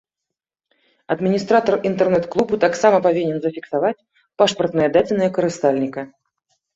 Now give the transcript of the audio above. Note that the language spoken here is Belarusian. Адміністратар інтэрнэт-клубу таксама павінен зафіксаваць пашпартныя дадзеныя карыстальніка.